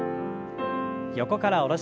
横から下ろします。